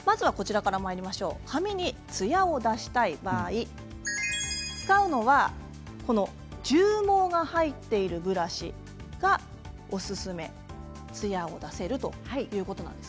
髪に、つやを出したい場合使うのは獣毛が入っているブラシがおすすめということです。